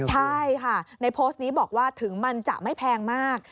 ใช่ค่ะในโพสต์นี้บอกว่าถึงมันจะไม่แพงมาก